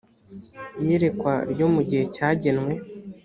iyerekwa ryo mu gihe cyagenwe